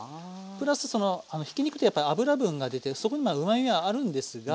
プラスそのひき肉ってやっぱ脂分が出てそこにまあうまみがあるんですが。